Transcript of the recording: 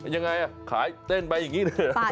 ยังไงขายเต้นไปอย่างนี้เถอะ